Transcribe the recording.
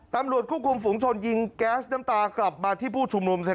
ตำรวจควบคุมฝุงชนยิงแก๊สน้ำตากลับมาที่ผู้ชุมนุม